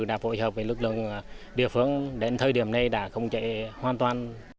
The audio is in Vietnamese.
và phối hợp với lực lượng địa phương đến thời điểm này đã không chạy hoàn toàn